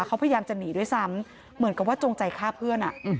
เขาพยายามจะหนีด้วยซ้ำเหมือนกับว่าจงใจฆ่าเพื่อน